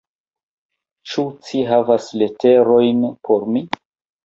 Ĉu ci havas leterojn por mi?